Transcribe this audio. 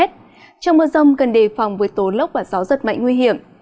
trong mưa rông cần đề phòng với tố lốc và gió rất mạnh nguy hiểm